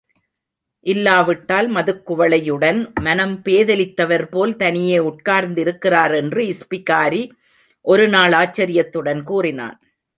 இல்லாவிட்டால் மதுக் குவளையுடன் மனம் பேதலித்தவர்போல் தனியே உட்கார்ந்திருக்கிறார் என்று இஸ்பிகாரி ஒருநாள் ஆச்சரியத்துடன் கூறினான்.